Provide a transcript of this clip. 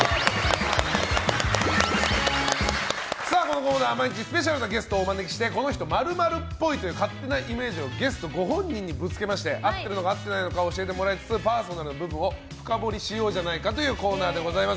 このコーナーは毎日スペシャルなゲストをお招きしてこの人○○っぽいという勝手なイメージをゲストご本人にぶつけまして合っているのか合っていないのか教えてもらいつつパーソナルな部分を深掘りしてみようというコーナーでございます。